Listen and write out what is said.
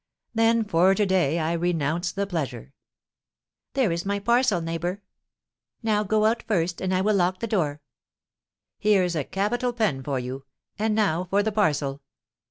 "Then, for to day I renounce the pleasure." "There is my parcel, neighbour. Now go out first, and I will lock the door." "Here's a capital pen for you; and now for the parcel."